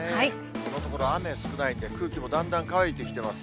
このところ、雨少ないんで、空気もだんだん乾いてきています。